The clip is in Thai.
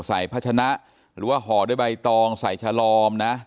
พัชนะหรือว่าห่อด้วยใบตองใส่ชะลอมนะ